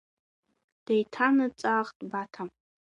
Деиҭанаҵаахт Бата.